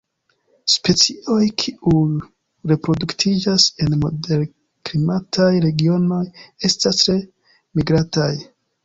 Specioj kiuj reproduktiĝas en moderklimataj regionoj estas tre migrantaj.